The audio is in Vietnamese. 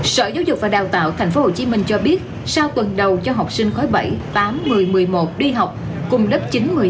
sở giáo dục và đào tạo tp hcm cho biết sau tuần đầu cho học sinh khối bảy tám một mươi một mươi một đi học cùng lớp chín một mươi năm